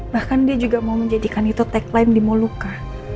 bahkan dia juga mau menjadikan itu tagline di muluka